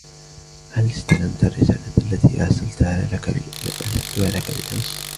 هل إستلمتَ الرسالة التي أرسلتها لكَ بالأمس ؟